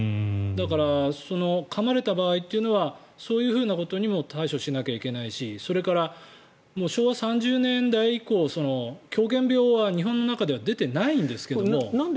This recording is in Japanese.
だから、かまれた場合というのはそういうことにも対処しなきゃいけないしそれから昭和３０年代以降狂犬病は日本の中では出てないんですけど。